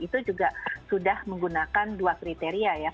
itu juga sudah menggunakan dua kriteria ya